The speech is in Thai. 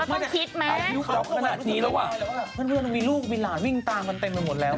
มันก็ต้องคิดมั้ยมันก็แบบรู้สึกไม่ใจแล้วว่าพี่มันมีลูกมีหลานวิ่งตามกันเต็มไปหมดแล้ว